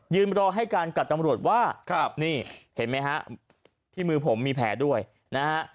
รอให้การกับตำรวจว่าครับนี่เห็นไหมฮะที่มือผมมีแผลด้วยนะฮะ